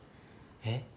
えっ？